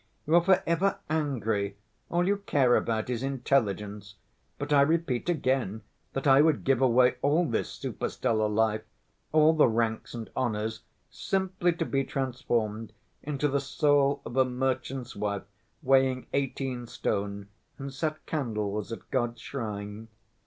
You are for ever angry, all you care about is intelligence, but I repeat again that I would give away all this super‐stellar life, all the ranks and honors, simply to be transformed into the soul of a merchant's wife weighing eighteen stone and set candles at God's shrine."